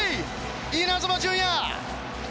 イナズマ純也。